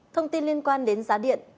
thông tin liên quan đến giá điện